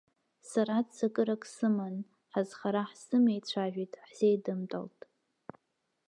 Сара ццакырак сыман, ҳазхара ҳзымеицәажәеит, ҳзеидымтәалт.